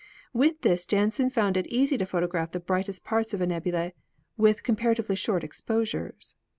With this Janssen found it easy to photograph the brightest parts of a nebula with comparatively short exposures.